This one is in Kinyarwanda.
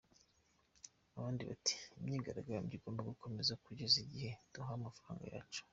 Abandi ati : “Imyigarambyo igomba gukomeza kugeza igihe duhawe amafaranga yacu.